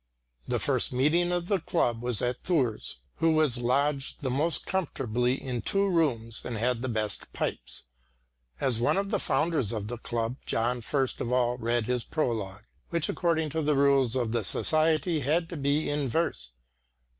The first meeting of the club was at Thurs', who was lodged the most comfortably in two rooms and had the best pipes. As one of the founders of the club John first of all read his prologue, which, according to the rules of the society, had to be in verse.